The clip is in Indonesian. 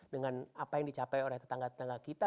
dengan apa yang dicapai oleh tetangga tetangga kita